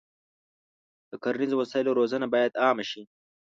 د کرنیزو وسایلو روزنه باید عامه شي.